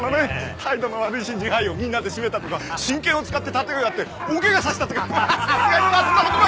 態度の悪い新人俳優をみんなでしめたとか真剣を使って殺陣をやって大ケガさせたとかさすがに今はそんなことない。